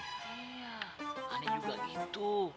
iya aneh juga gitu